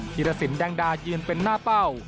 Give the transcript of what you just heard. ีรสินแดงดายืนเป็นหน้าเป้า